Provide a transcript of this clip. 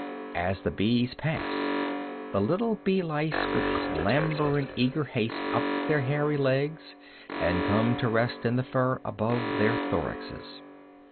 As the bees pass, the little bee lice would clamber in eager haste up their hairy legs and come to rest in the fur about their thoraxes.